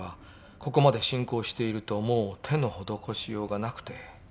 ここまで進行しているともう手の施しようがなくて